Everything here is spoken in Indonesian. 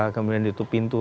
kemudian itu pintu